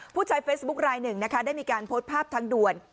ผู้ใช้เฟซบุ๊คลายหนึ่งนะคะได้มีการโพสต์ภาพทางด่วน